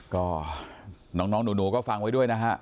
ก็น้องหนูก็ฟังไว้ด้วยนะฮะ